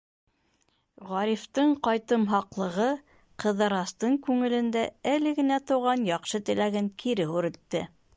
Ғарифтың ҡайтымһаҡлығы Ҡыҙырастың күңелендә әле генә тыуған яҡшы теләген кире һүрелтте.